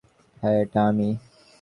হ্যাঁ এটা আমি।